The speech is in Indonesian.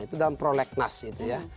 itu dalam prolegnas itu ya